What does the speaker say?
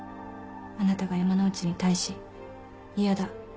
あなたが山之内に対し「嫌だ。